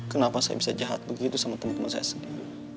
kenapa saya bisa jahat begitu sama teman teman saya sendiri